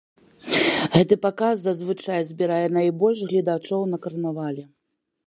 Гэты паказ зазвычай збірае найбольш гледачоў на карнавале.